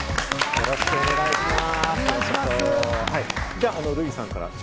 よろしくお願いします。